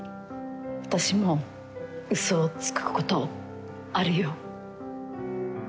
私もうそをつくことあるよ。